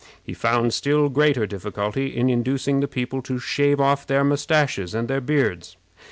He found still greater difficulty in inducing the people to shave off their mustaches and their beards.